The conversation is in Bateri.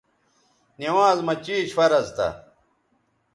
نِوانز مہ چیش فرض تھا